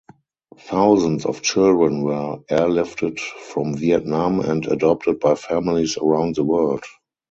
Thousands of children were airlifted from Vietnam and adopted by families around the world.